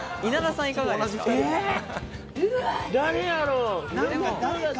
誰やろう？